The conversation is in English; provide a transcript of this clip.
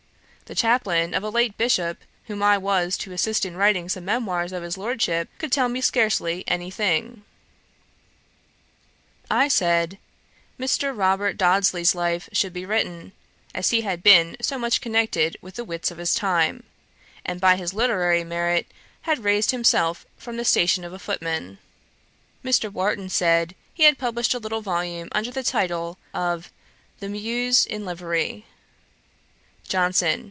The chaplain of a late Bishop, whom I was to assist in writing some memoirs of his Lordship, could tell me scarcely any thing.' I said, Mr. Robert Dodsley's life should be written, as he had been so much connected with the wits of his time, and by his literary merit had raised himself from the station of a footman. Mr. Warton said, he had published a little volume under the title of The Muse in Livery . JOHNSON.